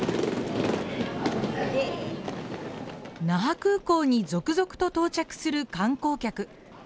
那覇空港に続々と到着する観光客。